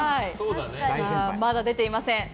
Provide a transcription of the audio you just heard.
まだ出ていません。